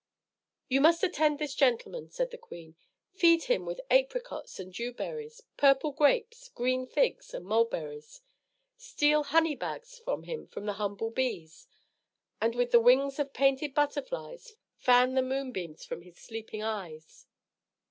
"You must attend this gentleman," said the queen. "Feed him with apricots and dewberries, purple grapes, green figs, and mulberries. Steal honey bags for him from the humble bees, and with the wings of painted butterflies fan the moonbeams from his sleeping eyes."